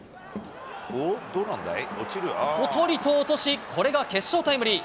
ぽとりと落とし、これが決勝タイムリー。